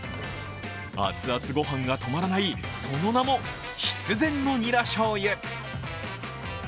熱々ご飯が止まらない、その名も必然のニラ醤油。